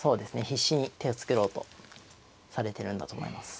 必死に手を作ろうとされてるんだと思います。